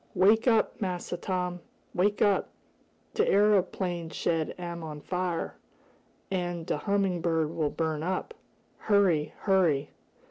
"Wake up, Massa Tom! Wake up! De areoplane shed am on fire, an' de Humming Bird will burn up! Hurry! Hurry!"